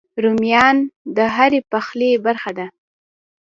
رومیان د هر پخلي برخه دي